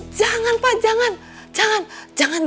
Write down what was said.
jangan pak jangan